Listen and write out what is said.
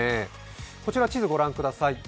こちらの地図をご覧ください。